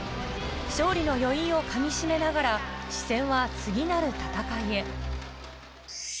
勝利の余韻をかみしめながら視線は次なる戦いへ。